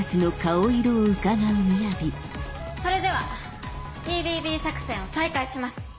それではＰＢＢ作戦を再開します。